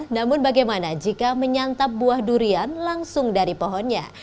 namun bagaimana jika menyantap buah durian langsung dari pohonnya